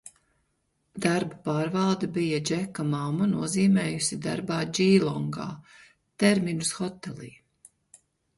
Darba pārvalde bija Džeka mammu nozīmējusi darbā Džīlongā, Terminus hotelī.